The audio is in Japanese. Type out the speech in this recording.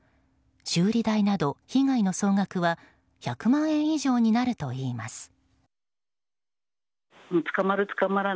修理代など被害の総額は１００万円以上になるといいます。